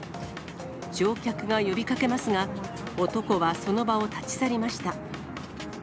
乗客が呼びかけますが、男はその場を立ち去りました。